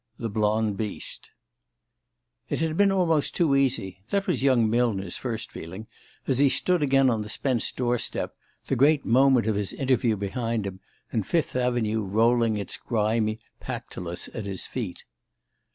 THE BLOND BEAST I IT had been almost too easy that was young Millner's first feeling, as he stood again on the Spence door step, the great moment of his interview behind him, and Fifth Avenue rolling its grimy Pactolus at his feet.